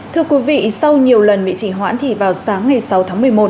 thưa quý vị sau nhiều lần bị chỉ hoãn thì vào sáng ngày sáu tháng một mươi một